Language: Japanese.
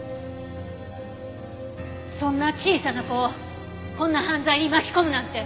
そんな小さな子をこんな犯罪に巻き込むなんて。